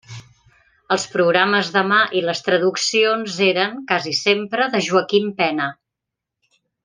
Els programes de mà i les traduccions eren, quasi sempre, de Joaquim Pena.